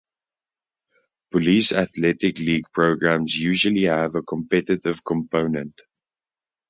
Police Athletic League programs usually have a competitive component.